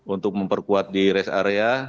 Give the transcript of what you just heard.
untuk memperkuat di rest area